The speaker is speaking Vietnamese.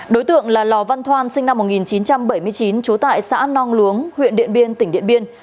đối tượng là lò văn thoan sinh năm một nghìn chín trăm bảy mươi chín trú tại xã nong luống huyện điện biên tỉnh điện biên